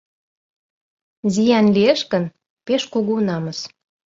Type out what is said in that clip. Зиян лиеш гын, пеш кугу намыс.